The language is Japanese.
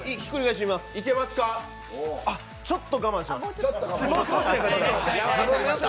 ちょっと我慢します。